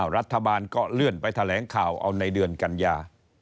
รัฐบาลก็เลื่อนไปแถลงข่าวเอาในเดือนกันยา